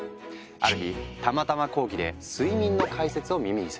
ある日たまたま講義で睡眠の解説を耳にする。